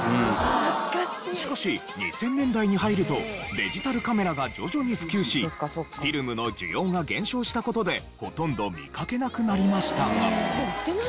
しかし２０００年代に入るとデジタルカメラが徐々に普及しフィルムの需要が減少した事でほとんど見かけなくなりましたが。